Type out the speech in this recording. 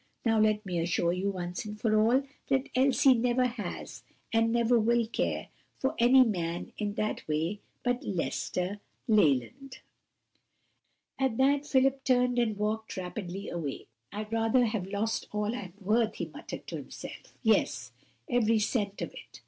Now let me assure you once for all, that Elsie never has and never will care for any man in that way but Lester Leland." At that Philip turned and walked rapidly away. "I'd rather have lost all I'm worth!" he muttered to himself. "Yes; every cent of it.